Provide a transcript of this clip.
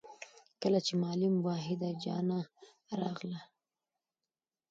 کله چې معلم وحيده جانه راغله